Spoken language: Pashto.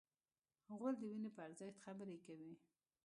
غول د وینې په ارزښت خبرې کوي.